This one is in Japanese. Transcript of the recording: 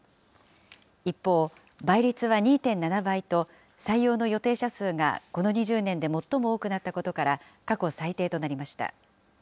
一方、倍率は２．７倍と、採用の予定者数がこの２０年で最も多くなったことから過去最低となりました。